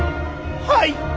はい。